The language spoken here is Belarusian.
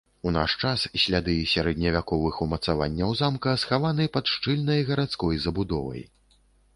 У наш час сляды сярэдневяковых умацаванняў замка схаваны пад шчыльнай гарадской забудовай.